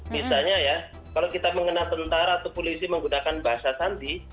misalnya ya kalau kita mengenal tentara atau polisi menggunakan bahasa sandi